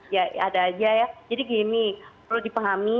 ya ada aja ya jadi gini perlu dipahami